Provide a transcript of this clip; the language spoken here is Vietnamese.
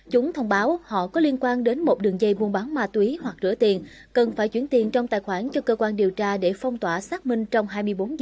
chúng thông báo họ có liên quan đến một đường dây buôn bán ma túy hoặc rửa tiền cần phải chuyển tiền trong tài khoản cho cơ quan điều tra để phong tỏa xác minh trong hai mươi bốn h